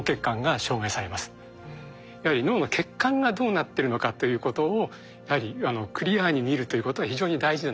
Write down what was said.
やはり脳の血管がどうなってるのかということをやはりクリアに見るということは非常に大事じゃないかと。